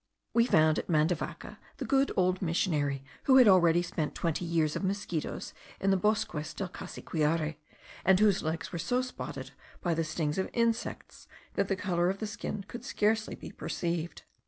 We found at Mandavaca the good old missionary, who had already spent twenty years of mosquitos in the bosques del Cassiquiare, and whose legs were so spotted by the stings of insects, that the colour of the skin could scarcely be perceived.